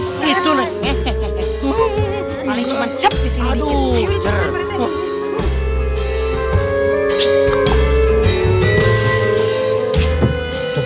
patulah power up